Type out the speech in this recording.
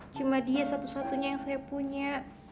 cuma dia satu satunya yang saya punya